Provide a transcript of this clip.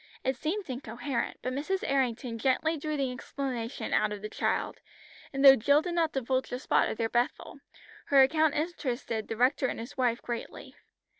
It seemed incoherent, but Mrs. Errington gently drew the explanation out of the child, and though Jill did not divulge the spot of their "Bethel," her account interested the rector and his wife greatly.